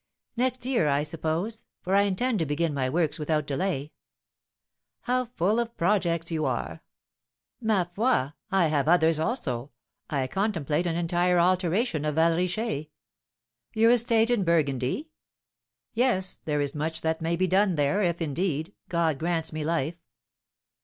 "Next year, I suppose, for I intend to begin my works without delay." "How full of projects you are!" "Ma foi! I have others also; I contemplate an entire alteration of Val Richer." "Your estate in Burgundy?" "Yes; there is much that may be done there, if, indeed, God grants me life."